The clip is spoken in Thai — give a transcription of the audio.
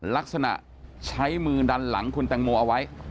ลักษณะใช้มือดันหลังคุณแตงโมเอาไว้